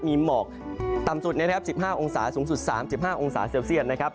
มีหมอกต่ำสุดนะครับ๑๕องศาสูงสุด๓๕องศาเซลเซียตนะครับ